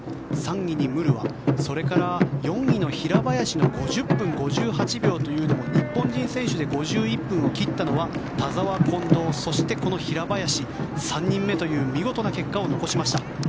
３位にムルワそれから、４位の平林の５０分５８秒というのも日本人選手で５１分を切ったのは田澤、近藤、平林３人目という見事な結果を残しました。